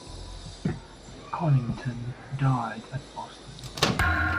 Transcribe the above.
Conington died at Boston.